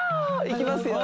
いきますよ